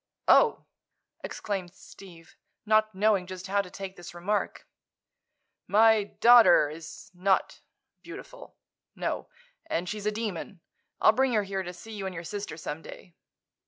"Oh!" exclaimed Steve, not knowing just how to take this remark. "My daughter is not—beautiful. No. And she's a demon. I'll bring her here to see you and your sister, some day."